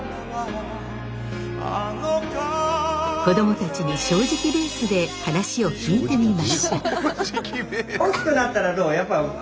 子供たちに正直ベースで話を聞いてみました。